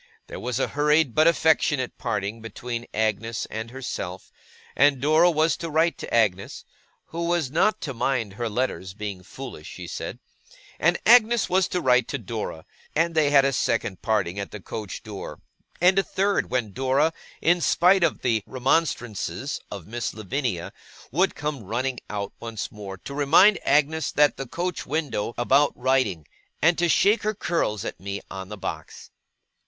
There was a hurried but affectionate parting between Agnes and herself; and Dora was to write to Agnes (who was not to mind her letters being foolish, she said), and Agnes was to write to Dora; and they had a second parting at the coach door, and a third when Dora, in spite of the remonstrances of Miss Lavinia, would come running out once more to remind Agnes at the coach window about writing, and to shake her curls at me on the box.